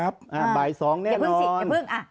บ่ายสองแน่นอน